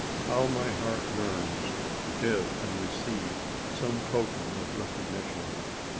How my heart yearns to give and receive some token of recognition?